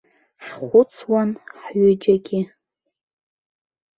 Ҳхәыцуан ҳҩыџьагьы.